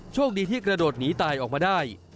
โชคดีที่กระโดดหนีตายออกมาได้